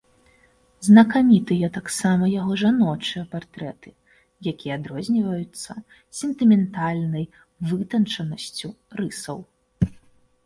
Знакамітыя таксама яго жаночыя партрэты, якія адрозніваюцца сентыментальнай вытанчанасцю рысаў.